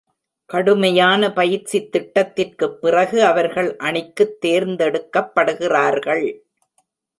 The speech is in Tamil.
கடுமையான பயிற்சித் திட்டத்திற்குப் பிறகு அவர்கள் அணிக்குத் தேர்ந்தெடுக்கப்படுகிறார்கள்.